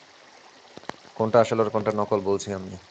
কোনটা আসল আর কোনটা নকল, বলছি আমি।